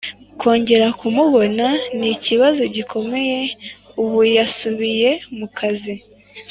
kongera kumubona nikibvazo gikomeye ubu yasubiye mukazi